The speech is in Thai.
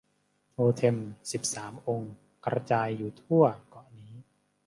โทเท็มสิบสามองค์กระจายอยู่ทั่วเกาะนี้